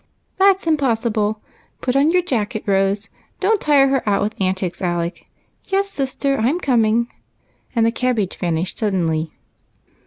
"That's impossible! Put on your jacket, Rose. Don't tire her out with antics. Alec. Yes, sister, I 'm coming !" and the cabbage vanished suddenly.